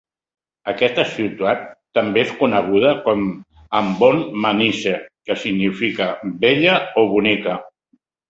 Aquesta ciutat també és coneguda com a "Ambon Manise", que significa "bella" o "bonica".